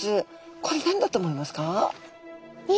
これ何だと思いますか？